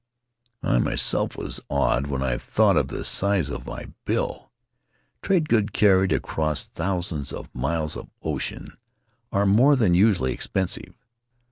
I, myself, was awed when I thought of the size of my bill. Trade goods carried across thousands of miles of ocean are more than usually expensive.